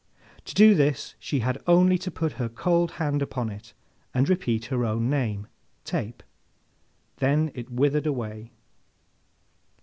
To do this she had only to put her cold hand upon it, and repeat her own name, Tape. Then it withered away.